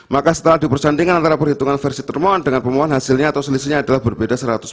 maka setelah dipercantikan antara perhitungan versi termohon dengan pemohon hasilnya atau selisihnya adalah berbeda seratus